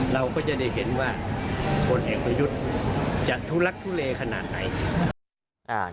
เราก็จะได้เห็นว่าผลเอกประยุทธ์จะทุลักทุเลขนาดไหน